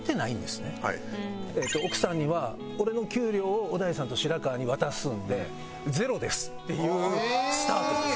奥さんには「俺の給料を小田井さんと白川に渡すんでゼロです」っていうスタートです。